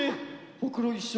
ほくろ一緒。